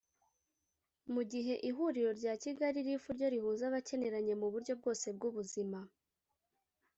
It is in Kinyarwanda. mugihe ihuriro rya Kigalilife ryo rihuza abakeneranye muburyo bwose bw’ubuzima